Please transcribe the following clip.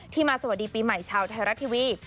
มาสวัสดีปีใหม่ชาวไทยรัฐทีวี